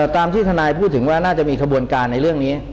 ตามที่ทนายพูดถึงว่าน่าจะมีขบวนการในเรื่องนี้